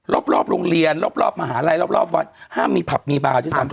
รอบโรงเรียนรอบมหาวันฮ้ามมีผับมีบาลที่ซ้ำไป